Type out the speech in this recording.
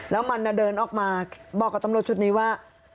แล้วมันเดินออกมาบอกกับตำรวจชุดนี้ว่า